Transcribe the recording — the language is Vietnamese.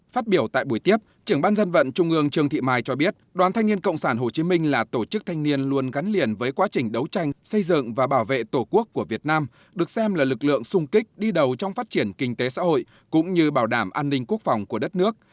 phát biểu tại buổi tiếp trưởng ban dân vận trung ương trương thị mai cho biết đoàn thanh niên cộng sản hồ chí minh là tổ chức thanh niên luôn gắn liền với quá trình đấu tranh xây dựng và bảo vệ tổ quốc của việt nam được xem là lực lượng sung kích đi đầu trong phát triển kinh tế xã hội cũng như bảo đảm an ninh quốc phòng của đất nước